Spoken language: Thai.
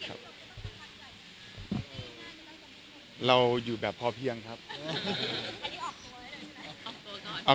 ของขวัญรับปริญญา